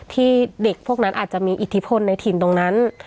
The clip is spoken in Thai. ที่เด็กพวกนั้นอาจจะมีอิทธิพลในถิ่นตรงนั้น